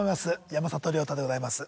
山里亮太でございます。